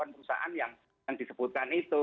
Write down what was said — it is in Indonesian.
perusahaan yang disebutkan itu